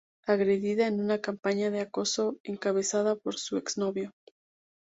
agredida en una campaña de acoso encabezada por su exnovio